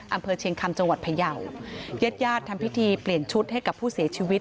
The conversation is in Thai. อำเภอเชียงคำจังหวัดพยาวญาติญาติทำพิธีเปลี่ยนชุดให้กับผู้เสียชีวิต